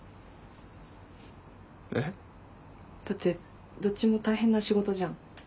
えっ？だってどっちも大変な仕事じゃん。